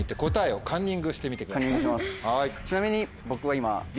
ちなみに僕は今。